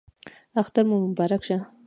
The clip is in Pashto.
اختر مو مبارک شه